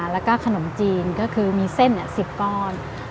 แล้วก็ขนมจีนก็คือมีเส้น๑๐ก้อน